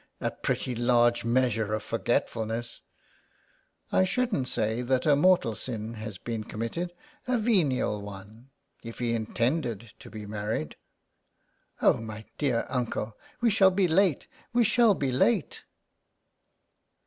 "A pretty large measure of forgetfulness !"*' I shouldn't say that a mortal sin has been com mitted ; a venial one. ... If he intended to be married ''*' Oh, my dear uncle, we shall be late, we shall be late